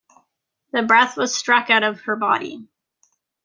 The breath was struck out of her body.